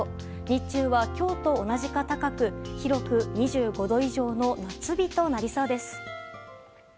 日中は今日と同じか高く広く２５度以上の夏日となりそうです。